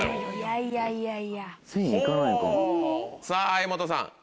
さぁ柄本さん。